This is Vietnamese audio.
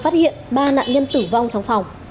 phát hiện ba nạn nhân tử vong trong phòng